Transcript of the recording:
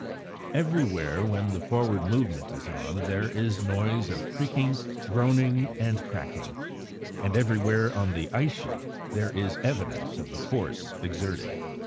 Everywhere when the forward movement is on there is noise of creaking, groaning, and cracking, and everywhere on the ice sheet there is evidence of the force exerted.